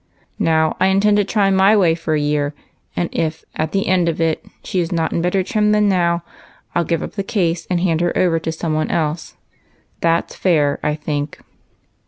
Now, I intend to try my way for a year, and if at the end of it she is not in better trim than now, I '11 give up the case, and hand her over to some one else. That 's fair, I think."